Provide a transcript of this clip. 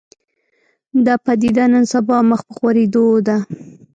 دا پدیده نن سبا مخ په خورېدو ده